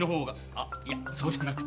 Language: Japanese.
あっいやそうじゃなくて。